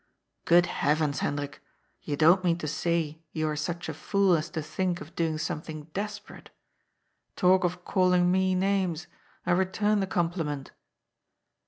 " Good heavens, Hendrik, you don't mean to say you are such a fool as to think of doing something desperate? Talk of calling me names. I return the compliment."